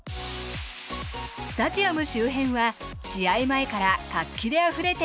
スタジアム周辺は試合前から活気であふれています。